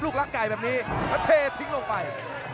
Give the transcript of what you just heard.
และเท้อพิ้งลงไป